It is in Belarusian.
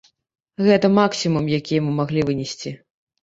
Гэта максімум, які яму маглі вынесці.